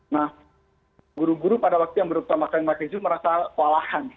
nah guru guru pada waktu yang berutama kain makai zoom merasa kewalahan